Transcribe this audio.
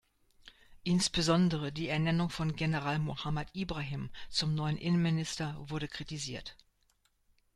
Insbesondere die Ernennung von General Mohamed Ibrahim zum neuen Innenminister wurde kritisiert.